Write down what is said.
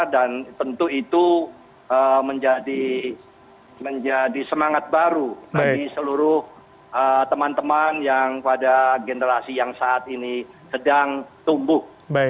dan tentu itu menjadi semangat baru bagi seluruh teman teman yang pada generasi yang saat ini sedang tumbuh